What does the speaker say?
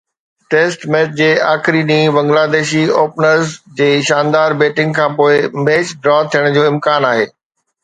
Test match جي آخري ڏينهن بنگلاديشي اوپنرز جي شاندار بيٽنگ کانپوءِ ميچ ڊرا ٿيڻ جو امڪان آهي.